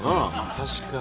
確かに。